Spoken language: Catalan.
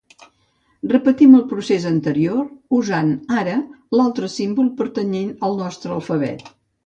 Repetim el procés anterior usant ara l'altre símbol pertanyent al nostre alfabet.